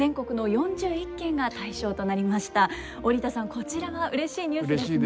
こちらはうれしいニュースですね。